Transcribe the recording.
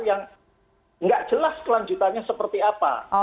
yang tidak jelas kelanjutannya seperti apa